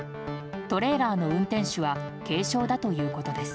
トレーラーの運転手は軽傷だということです。